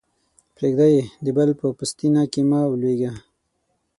پرېږده يې؛ د بل په پوستينه کې مه لویېږه.